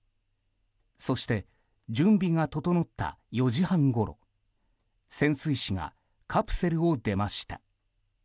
そして準備が整った４時半ごろ潜水士がカプセルを出ました。